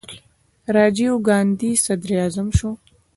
راجیو ګاندي صدراعظم شو.